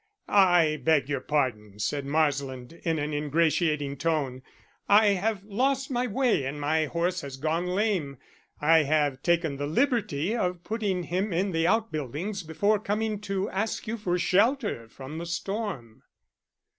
"I beg your pardon," said Marsland, in an ingratiating tone. "I have lost my way and my horse has gone lame. I have taken the liberty of putting him in the outbuildings before coming to ask you for shelter from the storm."